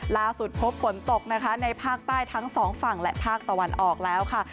พบฝนตกนะคะในภาคใต้ทั้งสองฝั่งและภาคตะวันออกแล้วค่ะ